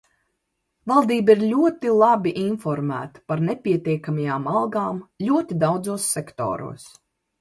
Valdība ir ļoti labi informēta par nepietiekamajām algām ļoti daudzos sektoros.